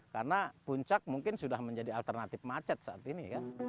karena puncak mungkin sudah menjadi alternatif macet saat ini